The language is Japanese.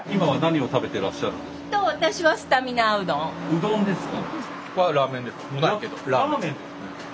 うどんですか。